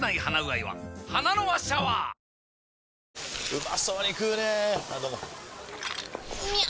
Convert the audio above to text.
うまそうに食うねぇあどうもみゃう！！